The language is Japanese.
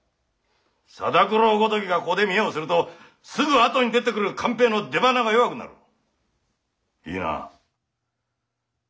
定九郎ごときがここで見得をするとすぐ後に出てくる勘平の出ばなが弱くなる。いいな？